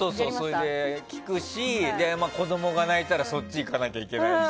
聞くし、子供が泣いたらそっち行かなきゃいけないし。